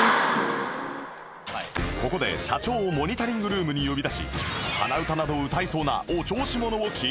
ここで社長をモニタリングルームに呼び出し鼻歌などを歌いそうなお調子者を聞いてみる事に